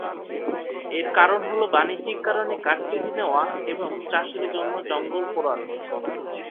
এর কারণ হল বাণিজ্যিক কারণে কাঠ কেটে নেওয়া এবং চাষের জন্য জঙ্গল পোড়ানো।